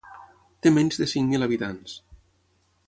Té menys de cinc mil habitants.